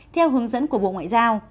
theo hướng dẫn của bộ ngoại giao